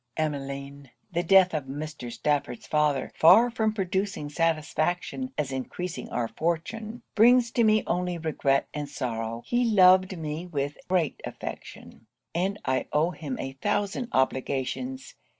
Emmeline the death of Mr. Stafford's father, far from producing satisfaction as increasing our fortune, brings to me only regret and sorrow. He loved me with great affection; and I owe him a thousand obligations.